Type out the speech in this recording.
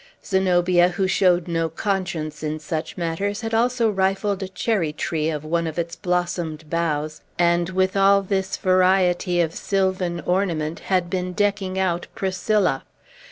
Zenobia, who showed no conscience in such matters, had also rifled a cherry tree of one of its blossomed boughs, and, with all this variety of sylvan ornament, had been decking out Priscilla.